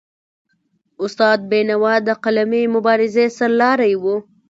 استاد بینوا د قلمي مبارزې سرلاری و.